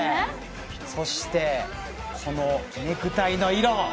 そして、このネクタイの色。